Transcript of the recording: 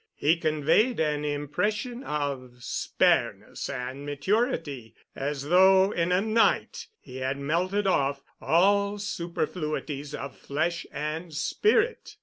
He conveyed an impression of spareness and maturity, as though in a night he had melted off all superfluities of flesh and spirit.